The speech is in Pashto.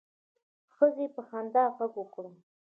ښځې په خندا غږ وکړ.